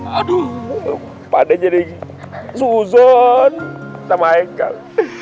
aduh pak adek jadi susun sama haikal